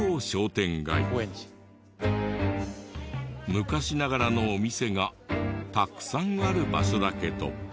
昔ながらのお店がたくさんある場所だけど。